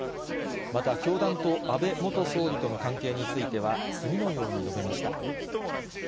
また、教団と安倍元総理との関係については、次のように述べました。